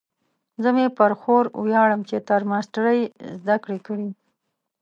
زه مې په خور ویاړم چې تر ماسټرۍ یې زده کړې کړي